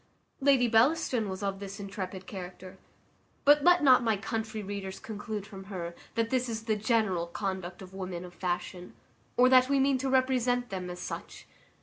Lady Bellaston was of this intrepid character; but let not my country readers conclude from her, that this is the general conduct of women of fashion, or that we mean to represent them as such.